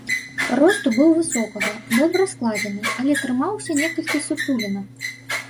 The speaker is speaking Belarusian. Росту быў высокага, добра складзены, але трымаўся некалькі ссутулена.